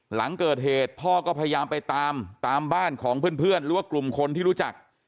หลังเกิดเหตุพ่อก็พยายามไปตามตามบ้านของเพื่อนหรือว่ากลุ่มคนที่รู้จัก